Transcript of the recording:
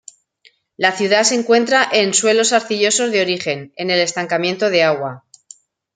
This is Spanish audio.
La ciudad se encuentra en suelos arcillosos de origen, en el estancamiento de agua.